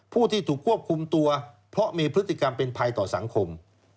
ผู้ที่ถูกควบคุมตัวเพราะมีพฤติกรรมเป็นภัยต่อสังคม